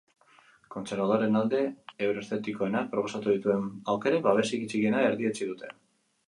Kontserbadoreen alde euroeszeptikoenak proposatu dituen aukerek babesik txikiena erdietsi dute.